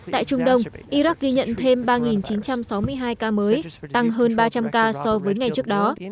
tại trung đông iraq ghi nhận thêm ba chín trăm sáu mươi hai ca mới tăng hơn ba trăm linh ca so với ngày trước đó